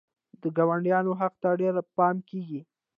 د ګاونډیانو حق ته ډېر پام کیږي.